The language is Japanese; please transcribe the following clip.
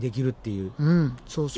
うんそうそう。